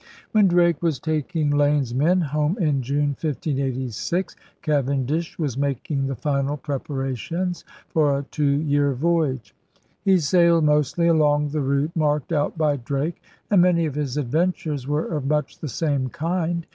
When Drake was taking Lane's men home in June, 1586, Cavendish was making the final preparations for a, two year voyage. He sailed mostly along the route marked out by Drake, and many of his adventures were of much the same kind.